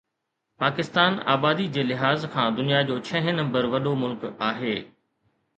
پاڪستان آبادي جي لحاظ کان دنيا جو ڇهين نمبر وڏو ملڪ آهي